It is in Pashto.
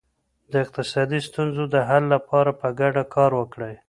د اقتصادي ستونزو د حل لپاره په ګډه کار وکړئ.